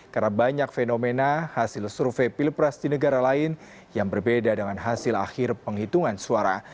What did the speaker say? karena banyak fenomena hasil survei pilpres di negara lain yang berbeda dengan hasil akhir penghitungan suara